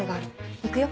行くよ。